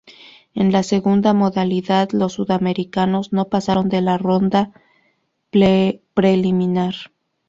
En la segunda modalidad los sudamericanos no pasaron de la ronda preliminar.